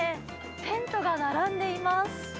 テントが並んでいます。